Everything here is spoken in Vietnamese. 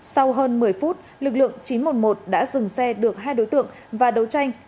sau hơn một mươi phút lực lượng chín trăm một mươi một đã dừng xe được hai đối tượng và đấu tranh